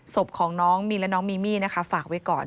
ศพของน้องมีนและน้องมีมี่นะคะฝากไว้ก่อน